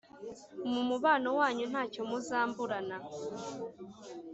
mumubano wanyu ntacyo muzamburana.